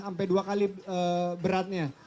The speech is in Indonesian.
ampere dua kali beratnya